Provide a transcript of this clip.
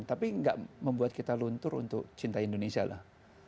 tapi nggak membuat kita luntur untuk cinta indonesia lah